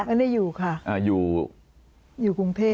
ไม่ได้อยู่ค่ะ